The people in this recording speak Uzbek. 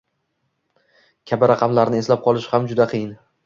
Kabi raqamlarni eslab qolish ham juda qiyin